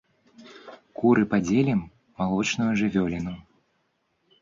Куры падзелім, малочную жывёліну.